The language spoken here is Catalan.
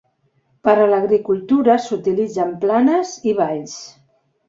Per a l'agricultura s'utilitzen planes i valls.